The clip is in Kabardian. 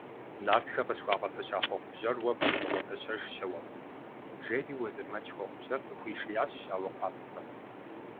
Нартхэ къысхуагъэфэща хъуэхъубжьэр уэ пхузогъэфэщэж, щауэфӏ, – жери Уэзырмэдж хъуэхъубжьэр къыхуишиящ щауэ къуапцӏэм.